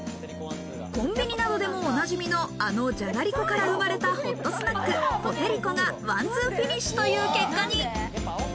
コンビニなどでもおなじみの、あのじゃがりこから生まれたホットスナック・ポテりこがワンツーフィニッシュという結果に。